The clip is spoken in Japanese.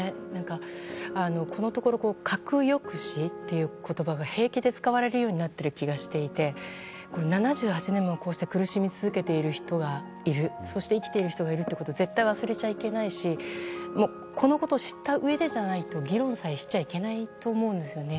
このところ核抑止という言葉が平気で使われるようになっている気がして７８年も、こうして苦しみ続けている人がいるそして生きている人がいるということを絶対に忘れちゃいけないしこのことを知ったうえでじゃないと議論さえしちゃいけないと思うんですよね。